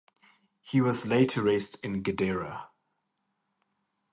He was laid to rest in Gedera.